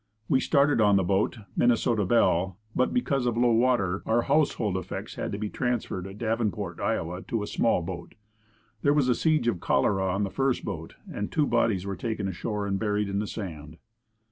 We started on the boat, Minnesota Belle, but because of low water our household effects had to be transferred at Davenport, Iowa, to a small boat. There was a siege of cholera on the first boat, and two bodies were taken ashore and buried in the sand.